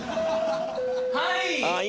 はい！